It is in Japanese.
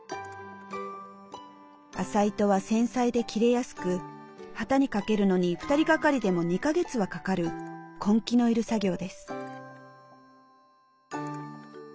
麻糸は繊細で切れやすく機にかけるのに２人がかりでも２か月はかかる根気の要る作業です。